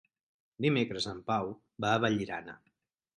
Dimecres en Pau va a Vallirana.